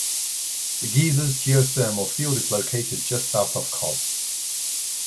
The Geysers Geothermal Field is located just south of Cobb.